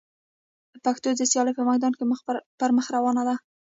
پښتو د سیالۍ په میدان کي پر مخ روانه ده.